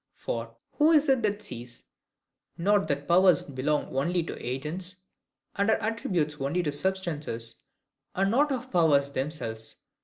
For, who is it that sees not that powers belong only to agents, and are attributes only of substances, and not of powers themselves?